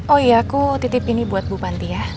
oh iya aku titip ini buat bu panti ya